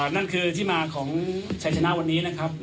นั่นคือที่มาของชัยชนะวันนี้นะครับ